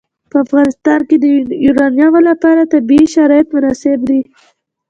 په افغانستان کې د یورانیم لپاره طبیعي شرایط مناسب دي.